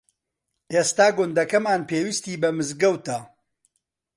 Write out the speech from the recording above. ئێستا گوندەکەمان پێویستی بە مزگەوتە.